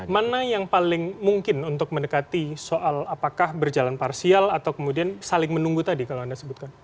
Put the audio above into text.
mana yang paling mungkin untuk mendekati soal apakah berjalan parsial atau kemudian saling menunggu tadi kalau anda sebutkan